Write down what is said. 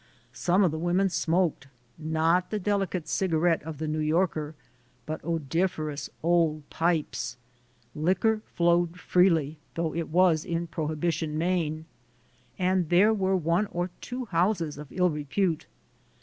Some of the women smoked, not the delicate cigarette of the New Yorker, but odoriferous old pipes. Liquor flowed freely, though it was in prohibition Maine, and there were one or two houses of ill repute.